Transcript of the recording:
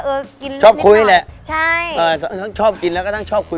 เออกินแล้วชอบคุยแหละใช่เอ่อทั้งชอบกินแล้วก็ทั้งชอบคุย